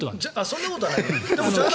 そんなことはないんだ。